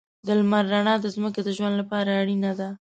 د لمر رڼا د ځمکې د ژوند لپاره اړینه ده.